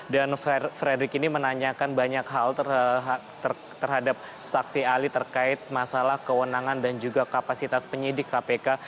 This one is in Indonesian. dan fredrich ini menanyakan banyak hal terhadap saksi ahli terkait masalah kewenangan dan juga kapasitas penyidik kpk